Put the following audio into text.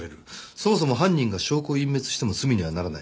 そもそも犯人が証拠を隠滅しても罪にはならない。